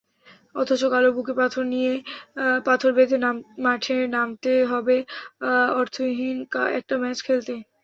অথচ কাল বুকে পাথর বেঁধে মাঠে নামতে হবে অর্থহীন একটা ম্যাচ খেলতে।